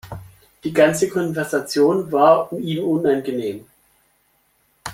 Die ganze Konversation war ihm unangenehm.